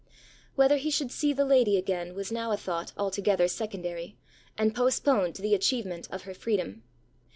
Whether he should see the lady again, was now a thought altogether secondary, and postponed to the achievement of her freedom.